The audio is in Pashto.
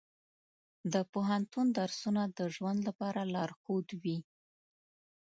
د پوهنتون درسونه د ژوند لپاره لارښود وي.